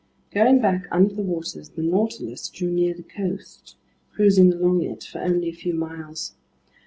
Going back under the waters, the Nautilus drew near the coast, cruising along it for only a few miles.